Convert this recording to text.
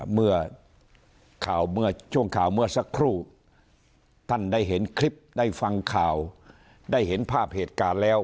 เมื่อข่าวเมื่อช่วงข่าวเมื่อสักครู่ท่านได้เห็นคลิปได้ฟังข่าวได้เห็นภาพเหตุการณ์แล้ว